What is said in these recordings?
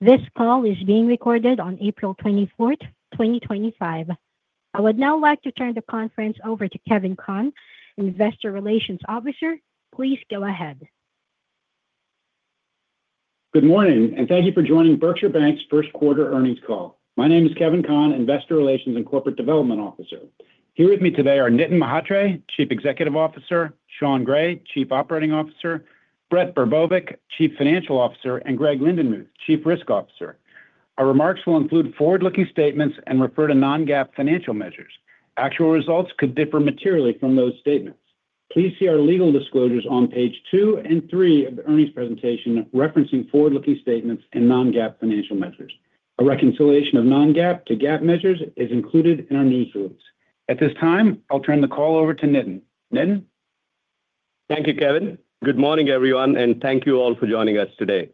This call is being recorded on April 24th, 2025. I would now like to turn the conference over to Kevin Conn, Investor Relations Officer. Please go ahead. Good morning, and thank you for joining Berkshire Bank's first quarter earnings call. My name is Kevin Conn, Investor Relations and Corporate Development Officer. Here with me today are Nitin Mhatre, Chief Executive Officer; Sean Gray, Chief Operating Officer; Brett Brebovic, Chief Financial Officer; and Greg Lindenmuth, Chief Risk Officer. Our remarks will include forward-looking statements and refer to non-GAAP financial measures. Actual results could differ materially from those statements. Please see our legal disclosures on page two and three of the earnings presentation referencing forward-looking statements and non-GAAP financial measures. A reconciliation of non-GAAP to GAAP measures is included in our news release. At this time, I'll turn the call over to Nitin. Nitin? Thank you, Kevin. Good morning, everyone, and thank you all for joining us today.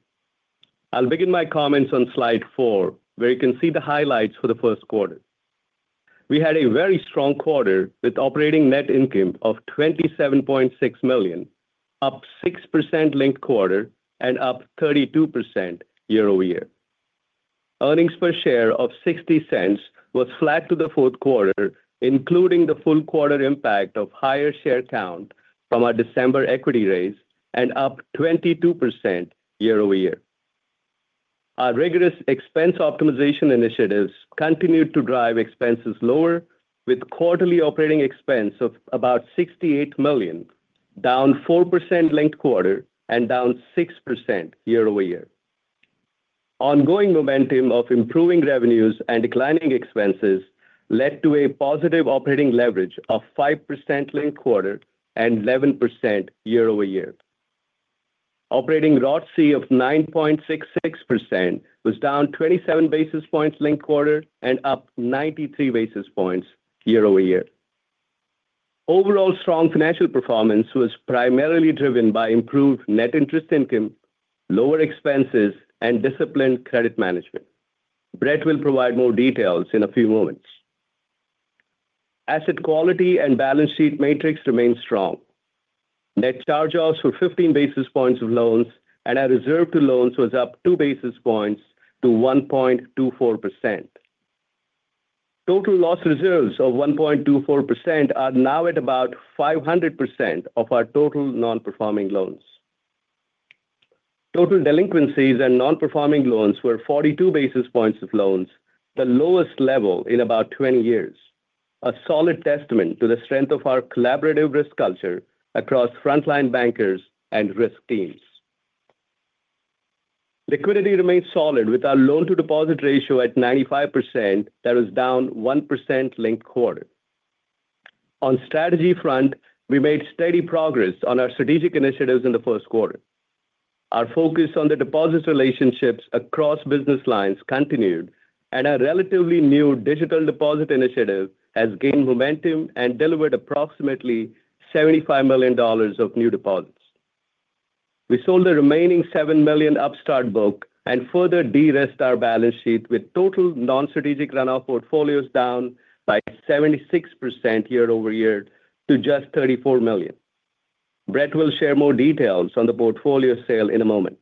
I'll begin my comments on slide four, where you can see the highlights for the first quarter. We had a very strong quarter with operating net income of $27.6 million, up 6% linked quarter and up 32% year-over-year. Earnings per share of $0.60 was flat to the fourth quarter, including the full quarter impact of higher share count from our December equity raise and up 22% year-over-year. Our rigorous expense optimization initiatives continued to drive expenses lower, with quarterly operating expense of about $68 million, down 4% linked quarter and down 6% year-over-year. Ongoing momentum of improving revenues and declining expenses led to a positive operating leverage of 5% linked quarter and 11% year-over-year. Operating ROTCE of 9.66% was down 27 basis points linked quarter and up 93 basis points year-over-year. Overall, strong financial performance was primarily driven by improved net interest income, lower expenses, and disciplined credit management. Brett will provide more details in a few moments. Asset quality and balance sheet metrics remained strong. Net charge-offs were 15 basis points of loans, and our reserve to loans was up 2 basis points to 1.24%. Total loss reserves of 1.24% are now at about 500% of our total non-performing loans. Total delinquencies and non-performing loans were 42 basis points of loans, the lowest level in about 20 years, a solid testament to the strength of our collaborative risk culture across frontline bankers and risk teams. Liquidity remained solid with our loan-to-deposit ratio at 95% that was down 1% linked quarter. On the strategy front, we made steady progress on our strategic initiatives in the first quarter. Our focus on the deposit relationships across business lines continued, and our relatively new digital deposit initiative has gained momentum and delivered approximately $75 million of new deposits. We sold the remaining $7 million Upstart book and further de-risked our balance sheet with total non-strategic runoff portfolios down by 76% year-over-year to just $34 million. Brett will share more details on the portfolio sale in a moment.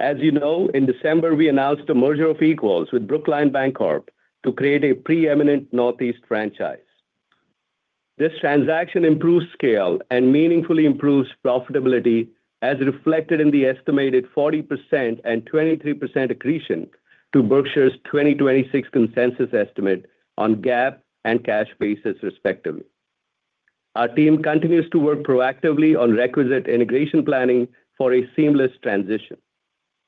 As you know, in December, we announced a merger of equals with Brookline Bancorp to create a preeminent Northeast franchise. This transaction improves scale and meaningfully improves profitability as reflected in the estimated 40% and 23% accretion to Berkshire's 2026 consensus estimate on GAAP and cash basis, respectively. Our team continues to work proactively on requisite integration planning for a seamless transition.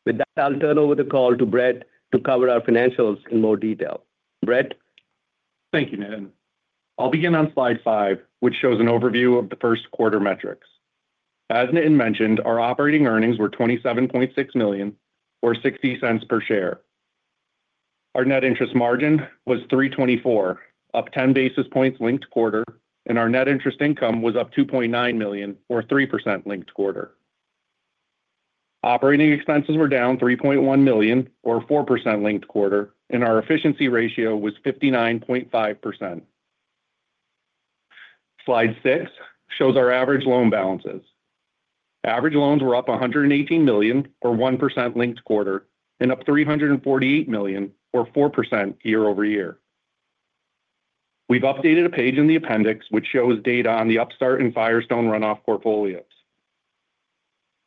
With that, I'll turn over the call to Brett to cover our financials in more detail. Brett. Thank you, Nitin. I'll begin on slide five, which shows an overview of the first quarter metrics. As Nitin mentioned, our operating earnings were $27.6 million, or $0.60 per share. Our net interest margin was 3.24%, up 10 basis points linked quarter, and our net interest income was up $2.9 million, or 3% linked quarter. Operating expenses were down $3.1 million, or 4% linked quarter, and our efficiency ratio was 59.5%. Slide six shows our average loan balances. Average loans were up $118 million, or 1% linked quarter, and up $348 million, or 4% year-over-year. We've updated a page in the appendix which shows data on the Upstart and Firestone runoff portfolios.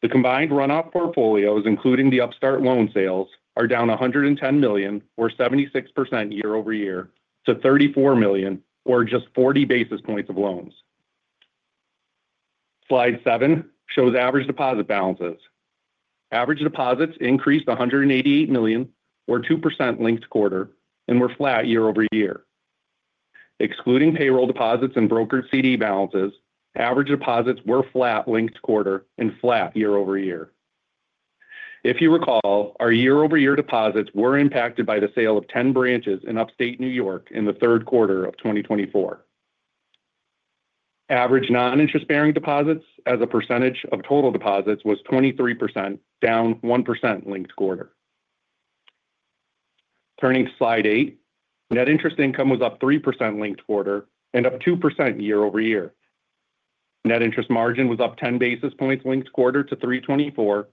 The combined runoff portfolios, including the Upstart loan sales, are down $110 million, or 76% year-over-year, to $34 million, or just 40 basis points of loans. Slide seven shows average deposit balances. Average deposits increased $188 million, or 2% linked quarter, and were flat year-over-year. Excluding payroll deposits and brokered CD balances, average deposits were flat linked quarter and flat year-over-year. If you recall, our year-over-year deposits were impacted by the sale of 10 branches in upstate New York in the third quarter of 2024. Average non-interest-bearing deposits as a percentage of total deposits was 23%, down 1% linked quarter. Turning to slide eight, net interest income was up 3% linked quarter and up 2% year-over-year. Net interest margin was up 10 basis points linked quarter to 3.24,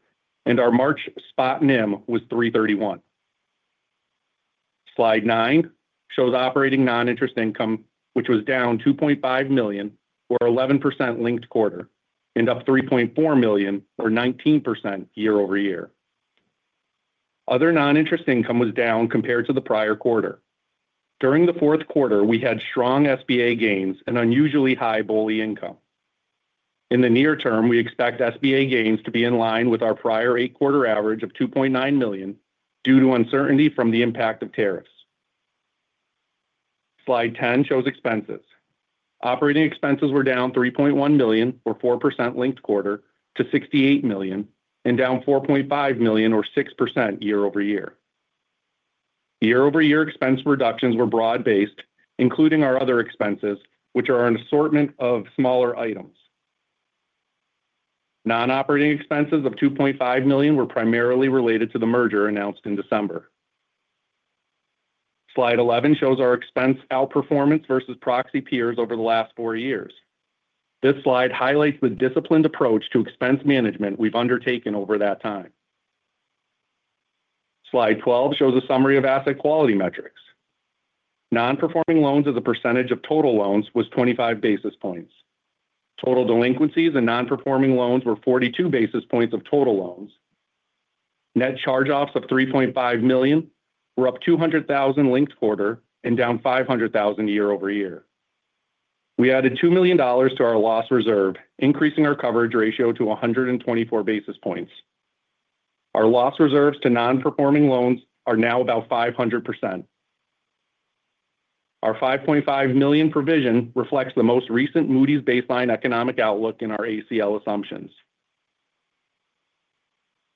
and our March spot NIM was 3.31. Slide nine shows operating non-interest income, which was down $2.5 million, or 11% linked quarter, and up $3.4 million, or 19% year-over-year. Other non-interest income was down compared to the prior quarter. During the fourth quarter, we had strong SBA gains and unusually high BOLI income. In the near term, we expect SBA gains to be in line with our prior eight-quarter average of $2.9 million due to uncertainty from the impact of tariffs. Slide 10 shows expenses. Operating expenses were down $3.1 million, or 4% linked quarter, to $68 million and down $4.5 million, or 6% year-over-year. Year-over-year expense reductions were broad-based, including our other expenses, which are an assortment of smaller items. Non-operating expenses of $2.5 million were primarily related to the merger announced in December. Slide 11 shows our expense outperformance versus proxy peers over the last four years. This slide highlights the disciplined approach to expense management we've undertaken over that time. Slide 12 shows a summary of asset quality metrics. Non-performing loans as a percentage of total loans was 25 basis points. Total delinquencies and non-performing loans were 42 basis points of total loans. Net charge-offs of $3.5 million were up $200,000 linked quarter and down $500,000 year-over-year. We added $2 million to our loss reserve, increasing our coverage ratio to 124 basis points. Our loss reserves to non-performing loans are now about 500%. Our $5.5 million provision reflects the most recent Moody's baseline economic outlook in our ACL assumptions.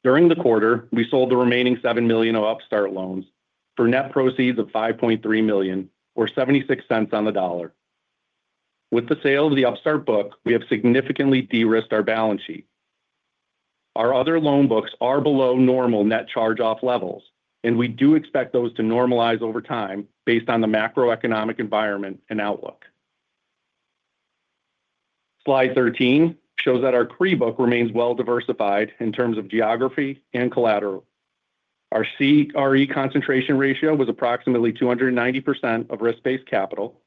During the quarter, we sold the remaining $7 million of Upstart loans for net proceeds of $5.3 million, or $0.76 on the dollar. With the sale of the Upstart book, we have significantly de-risked our balance sheet. Our other loan books are below normal net charge-off levels, and we do expect those to normalize over time based on the macroeconomic environment and outlook. Slide 13 shows that our CRE book remains well diversified in terms of geography and collateral. Our CRE concentration ratio was approximately 290% of risk-based capital,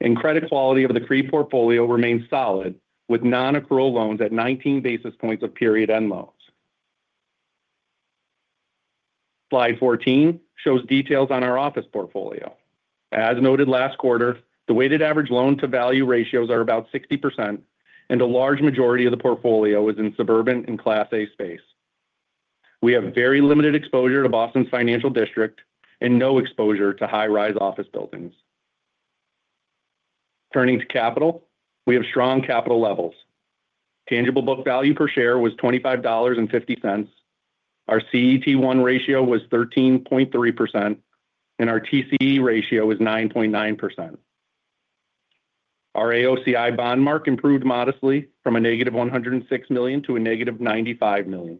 and credit quality of the CRE portfolio remains solid with non-accrual loans at 19 basis points of period end loans. Slide 14 shows details on our office portfolio. As noted last quarter, the weighted average loan-to-value ratios are about 60%, and a large majority of the portfolio is in suburban and Class A space. We have very limited exposure to Boston's Financial District and no exposure to high-rise office buildings. Turning to capital, we have strong capital levels. Tangible book value per share was $25.50. Our CET1 ratio was 13.3%, and our TCE ratio was 9.9%. Our AOCI bond mark improved modestly from a negative $106 million to a negative $95 million.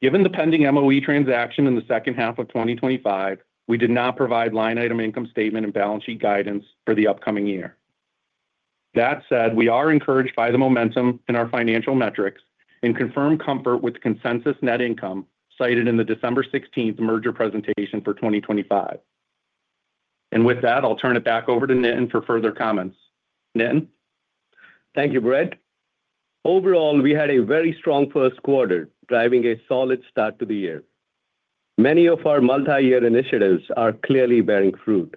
Given the pending MOE transaction in the second half of 2025, we did not provide line item income statement and balance sheet guidance for the upcoming year. That said, we are encouraged by the momentum in our financial metrics and confirm comfort with consensus net income cited in the December 16th merger presentation for 2025. With that, I'll turn it back over to Nitin for further comments. Nitin. Thank you, Brett. Overall, we had a very strong first quarter, driving a solid start to the year. Many of our multi-year initiatives are clearly bearing fruit.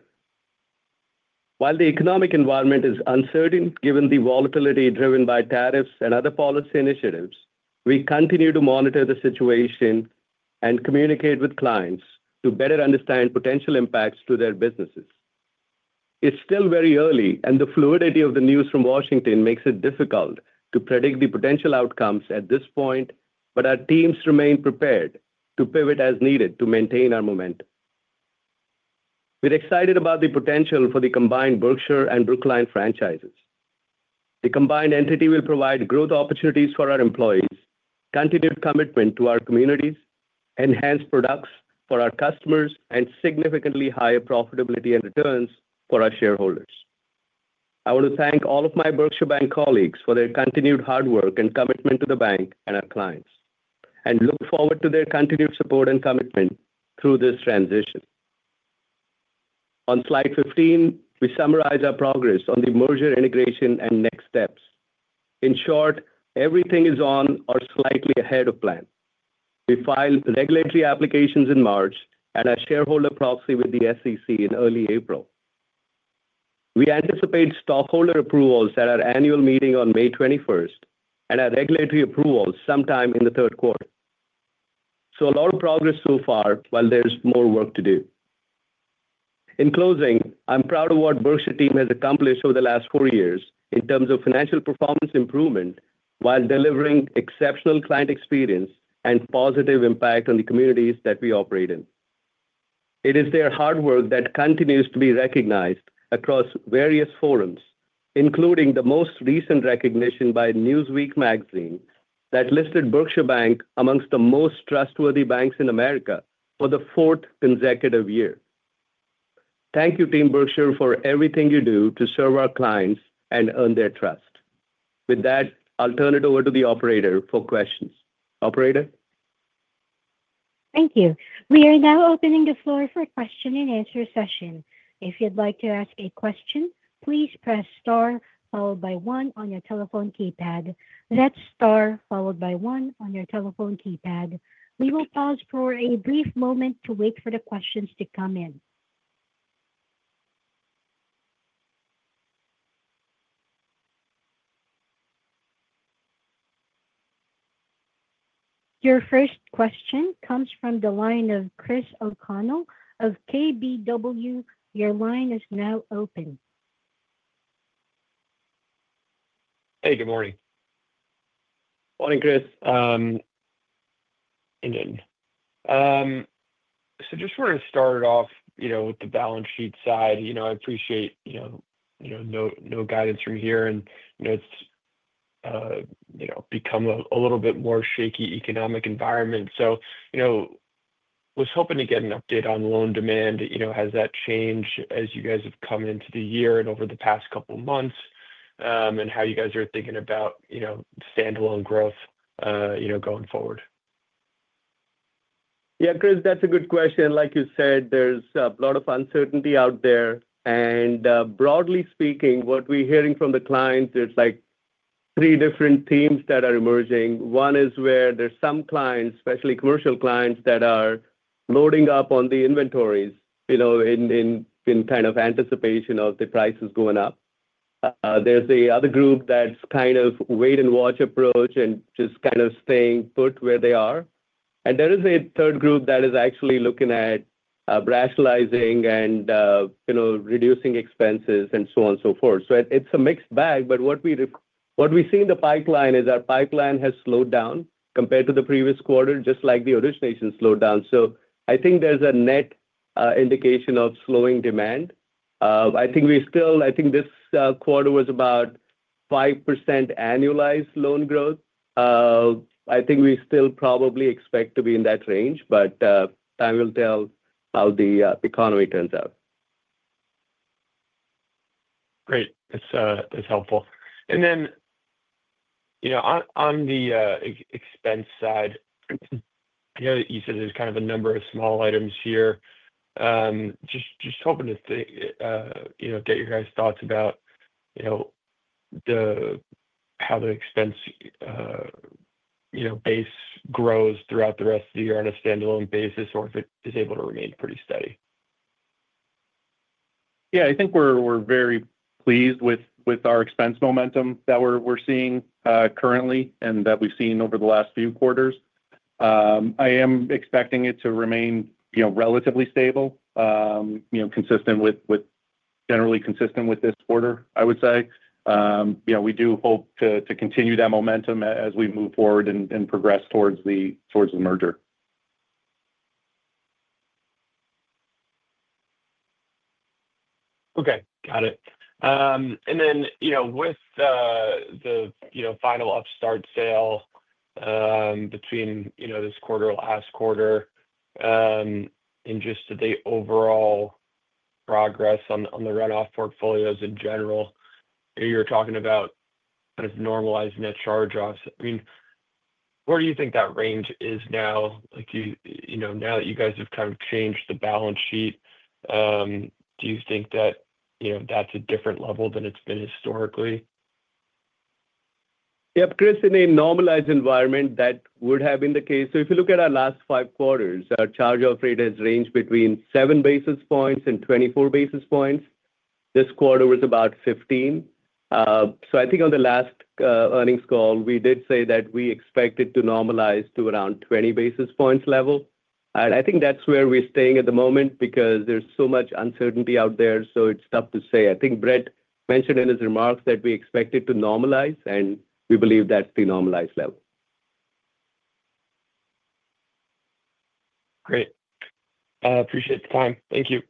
While the economic environment is uncertain given the volatility driven by tariffs and other policy initiatives, we continue to monitor the situation and communicate with clients to better understand potential impacts to their businesses. It is still very early, and the fluidity of the news from Washington makes it difficult to predict the potential outcomes at this point, but our teams remain prepared to pivot as needed to maintain our momentum. We are excited about the potential for the combined Berkshire and Brookline franchises. The combined entity will provide growth opportunities for our employees, continued commitment to our communities, enhanced products for our customers, and significantly higher profitability and returns for our shareholders. I want to thank all of my Berkshire Bank colleagues for their continued hard work and commitment to the bank and our clients, and look forward to their continued support and commitment through this transition. On slide 15, we summarize our progress on the merger, integration, and next steps. In short, everything is on or slightly ahead of plan. We filed regulatory applications in March and our shareholder proxy with the SEC in early April. We anticipate stockholder approvals at our annual meeting on May 21st and our regulatory approvals sometime in the third quarter. A lot of progress so far, while there's more work to do. In closing, I'm proud of what Berkshire team has accomplished over the last four years in terms of financial performance improvement while delivering exceptional client experience and positive impact on the communities that we operate in. It is their hard work that continues to be recognized across various forums, including the most recent recognition by Newsweek magazine that listed Berkshire Bank amongst the most trustworthy banks in America for the fourth consecutive year. Thank you, Team Berkshire, for everything you do to serve our clients and earn their trust. With that, I'll turn it over to the operator for questions. Operator. Thank you. We are now opening the floor for a question-and-answer session. If you'd like to ask a question, please press star followed by one on your telephone keypad. That's star followed by one on your telephone keypad. We will pause for a brief moment to wait for the questions to come in. Your first question comes from the line of Christopher O'Connell of KBW. Your line is now open. Hey, good morning. Morning, Chris. Nitin. Just wanted to start it off with the balance sheet side. I appreciate no guidance from here, and it's become a little bit more shaky economic environment. I was hoping to get an update on loan demand. Has that changed as you guys have come into the year and over the past couple of months, and how you guys are thinking about standalone growth going forward? Yeah, Chris, that's a good question. Like you said, there's a lot of uncertainty out there. Broadly speaking, what we're hearing from the clients, there's three different themes that are emerging. One is where there's some clients, especially commercial clients, that are loading up on the inventories in kind of anticipation of the prices going up. There's the other group that's kind of wait-and-watch approach and just kind of staying put where they are. There is a third group that is actually looking at rationalizing and reducing expenses and so on and so forth. It's a mixed bag, but what we see in the pipeline is our pipeline has slowed down compared to the previous quarter, just like the origination slowed down. I think there's a net indication of slowing demand. I think we still, I think this quarter was about 5% annualized loan growth. I think we still probably expect to be in that range, but time will tell how the economy turns out. Great. That's helpful. Then on the expense side, I know that you said there's kind of a number of small items here. Just hoping to get your guys' thoughts about how the expense base grows throughout the rest of the year on a standalone basis or if it is able to remain pretty steady. Yeah, I think we're very pleased with our expense momentum that we're seeing currently and that we've seen over the last few quarters. I am expecting it to remain relatively stable, generally consistent with this quarter, I would say. We do hope to continue that momentum as we move forward and progress towards the merger. Okay. Got it. Then with the final Upstart sale between this quarter and last quarter and just the overall progress on the runoff portfolios in general, you're talking about kind of normalizing that charge-off. I mean, where do you think that range is now? Now that you guys have kind of changed the balance sheet, do you think that that's a different level than it's been historically? Yep. Chris, in a normalized environment, that would have been the case. If you look at our last five quarters, our charge-off rate has ranged between 7 basis points and 24 basis points. This quarter was about 15. I think on the last earnings call, we did say that we expected to normalize to around 20 basis points level. I think that's where we're staying at the moment because there's so much uncertainty out there. It's tough to say. I think Brett mentioned in his remarks that we expected to normalize, and we believe that's the normalized level. Great. Appreciate the time. Thank you.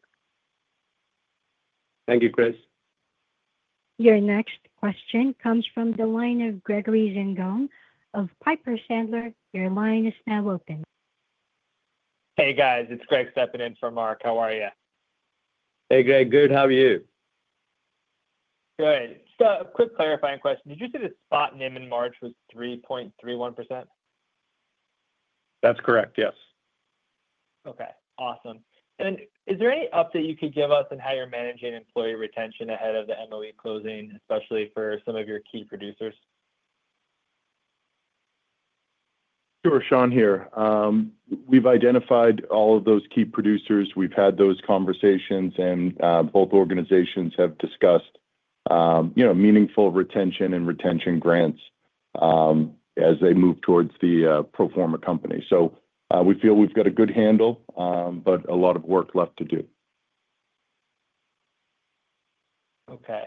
Thank you, Chris. Your next question comes from the line of Gregory Zingone of Piper Sandler. Your line is now open. Hey, guys. It's Greg stepping in for Mark. How are you? Hey, Greg. Good. How are you? Good. A quick clarifying question. Did you say the spot NIM in March was 3.31%? That's correct. Yes. Okay. Awesome. Is there any update you could give us on how you're managing employee retention ahead of the MOE closing, especially for some of your key producers? Sure. Sean here. We have identified all of those key producers. We have had those conversations, and both organizations have discussed meaningful retention and retention grants as they move towards the pro forma company. We feel we have got a good handle, but a lot of work left to do. Okay.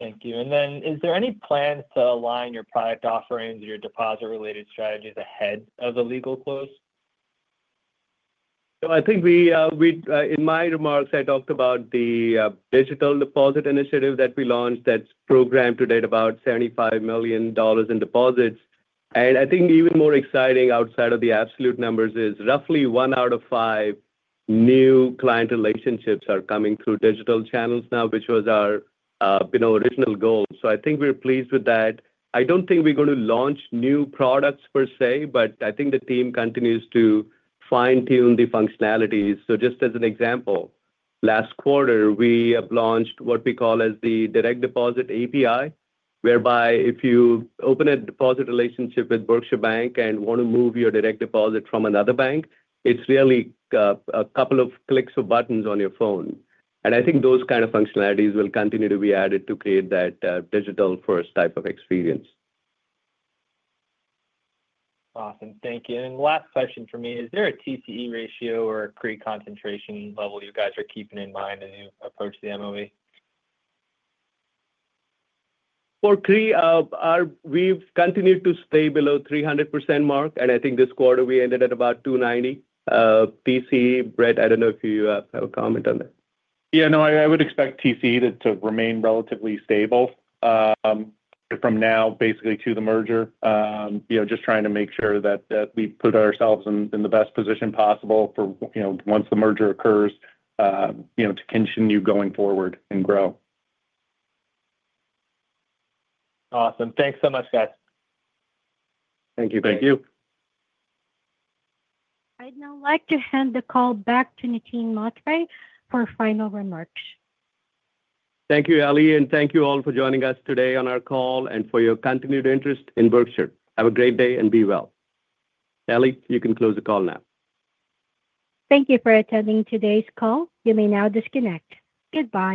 Thank you. Is there any plans to align your product offerings and your deposit-related strategies ahead of the legal close? I think in my remarks, I talked about the digital deposit initiative that we launched that's programmed to date about $75 million in deposits. I think even more exciting outside of the absolute numbers is roughly one out of five new client relationships are coming through digital channels now, which was our original goal. I think we're pleased with that. I don't think we're going to launch new products per se, but I think the team continues to fine-tune the functionalities. Just as an example, last quarter, we have launched what we call as the direct deposit API, whereby if you open a deposit relationship with Berkshire Bank and want to move your direct deposit from another bank, it's really a couple of clicks of buttons on your phone. I think those kind of functionalities will continue to be added to create that digital-first type of experience. Awesome. Thank you. Last question for me, is there a TCE ratio or a CRE concentration level you guys are keeping in mind as you approach the MOE? For CRE, we've continued to stay below the 300% mark, and I think this quarter we ended at about 290%. TCE, Brett, I don't know if you have a comment on that. Yeah. No, I would expect TCE to remain relatively stable from now basically to the merger, just trying to make sure that we put ourselves in the best position possible for once the merger occurs to continue going forward and grow. Awesome. Thanks so much, guys. Thank you. Thank you. I'd now like to hand the call back to Nitin Mhatre for final remarks. Thank you, Ali, and thank you all for joining us today on our call and for your continued interest in Berkshire. Have a great day and be well. Ali, you can close the call now. Thank you for attending today's call. You may now disconnect. Goodbye.